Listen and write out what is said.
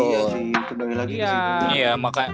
itu dia sih kembali lagi disitu